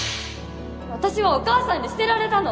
私はお母さんに捨てられたの！